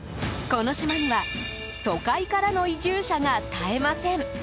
この島には都会からの移住者が絶えません。